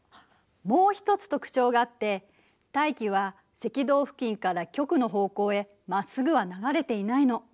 もう一つ特徴があって大気は赤道付近から極の方向へまっすぐは流れていないの。